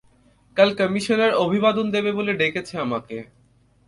কাল কমিশনার অভিবাদন দেবে বলে ডেকেছে আমাকে।